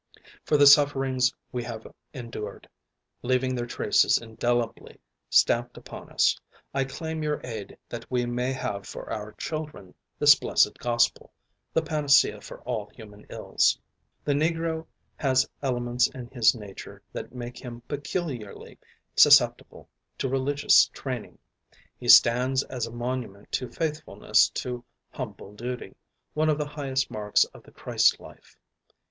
For the sufferings we have endured, leaving their traces indelibly stamped upon us, I claim your aid that we may have for our children this blessed Gospel, the panacea for all human ills. The Negro has elements in his nature that make him peculiarly susceptible to religious training. He stands as a monument to faithfulness to humble duty, one of the highest marks of the Christ life.